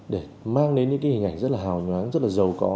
để mang đến những cái hình ảnh rất là hào nhoáng rất là giàu có